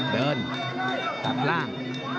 เดินจับร่าง